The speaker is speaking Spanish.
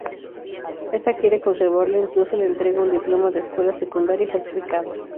Esta quiere conservarlo e incluso le entrega un diploma de escuela secundaria falsificado.